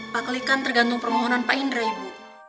pak kelik kan tergantung permohonan pak indra ibu